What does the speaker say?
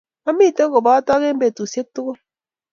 Amite kopotok eng petusiek tugul